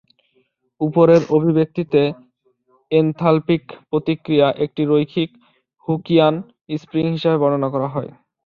উপরের অভিব্যক্তিতে, এনথালপিক প্রতিক্রিয়া একটি রৈখিক হুকিয়ান স্প্রিং হিসাবে বর্ণনা করা হয়।